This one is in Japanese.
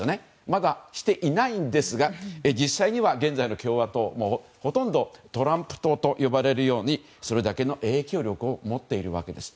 まだしていないんですが実際には現在の共和党はほとんどトランプ党と呼ばれるようにそれだけの影響力を持っているわけです。